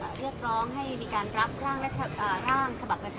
เลือกร้องให้มีการรับร่าง